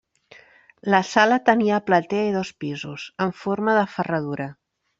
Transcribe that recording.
La sala tenia platea i dos pisos, en forma de ferradura.